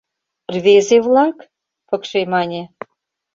— Рвезе-влак? — пыкше мане.